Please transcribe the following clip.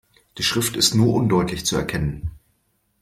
Die Schrift ist nur undeutlich zu erkennen.